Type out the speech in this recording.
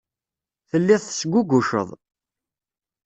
Telliḍ tesguguceḍ.